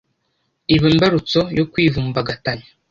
iba imbarutso yo kwivumbagatanya,